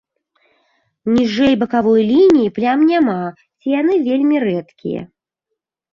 Ніжэй бакавой лініі плям няма ці яны вельмі рэдкія.